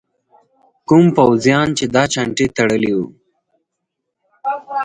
کوم پوځیان چې دا چانټې تړلي وو.